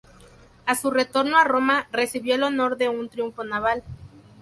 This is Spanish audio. A su retorno a Roma, recibió el honor de un triunfo naval.